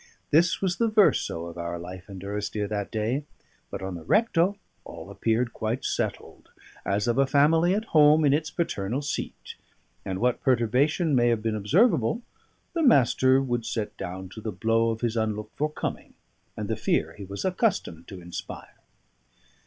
This was the verso of our life in Durrisdeer that day; but on the recto all appeared quite settled, as of a family at home in its paternal seat; and what perturbation may have been observable, the Master would set down to the blow of his unlooked for coming, and the fear he was accustomed to inspire.